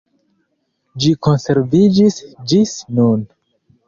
Ĝi konserviĝis ĝis nun.